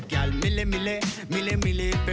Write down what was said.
เดี๋ยวเดี๋ยวเดี๋ยว